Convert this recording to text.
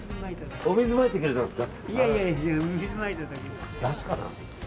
お水をまいてくれたんですか。